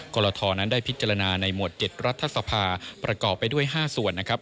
กรทนั้นได้พิจารณาในหมวด๗รัฐสภาประกอบไปด้วย๕ส่วนนะครับ